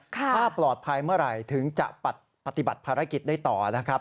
ถ้าปลอดภัยเมื่อไหร่ถึงจะปฏิบัติภารกิจได้ต่อนะครับ